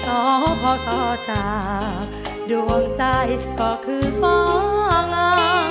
ต้องเพราะสาวจากดวงใจก็คือฟ้า